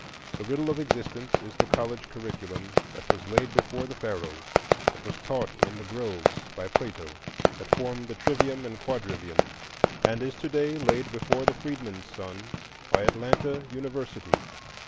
The riddle of existence is the college curriculum that was laid before the Pharaohs, that was taught in the groves by Plato, that formed the trivium and quadrivium, and is to day laid before the freedmen's sons by Atlanta University.